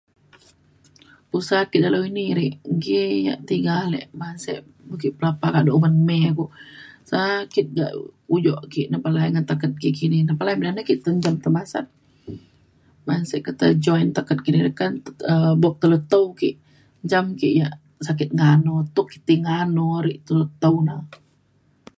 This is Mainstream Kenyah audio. usa ke dalau ini ri nggi yak tiga ale man sek ban ki pelapah kado uman mei ku sakit ga- ujok ki nepalai ngan taket ki kini nepalai. ina na ke te njam tai masat ban se keta taket joint kediri kan um buk telu tau ki jam ki yak sakit ngano tuk ki ti ngano ri telu tau na